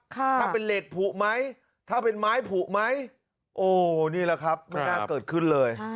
ถ้าเป็นเหล็กผูกไหมถ้าเป็นไม้ผูกไหมโอ้นี่แหละครับไม่น่าเกิดขึ้นเลย